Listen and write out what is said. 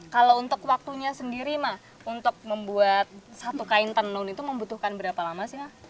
kalau untuk waktunya sendiri mah untuk membuat satu kain tenun itu membutuhkan berapa lama sih ma